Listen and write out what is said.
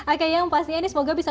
oke yang pastinya ini semoga bisa